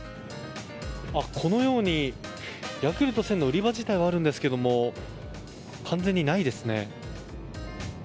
このようにヤクルト１０００の売り場自体はあるんですが完全にないですね。